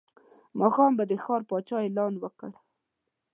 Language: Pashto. ماښام به د ښار پاچا اعلان وکړ.